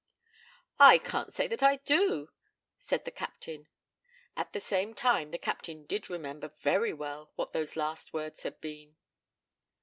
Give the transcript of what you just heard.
'I can't say that I do,' said the Captain. At the same time the Captain did remember very well what those last words had been.